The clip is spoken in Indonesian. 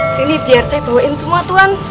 sini biar saya bawain semua tuhan